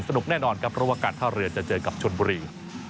แน่นอนครับเพราะว่าการท่าเรือจะเจอกับชนบุรี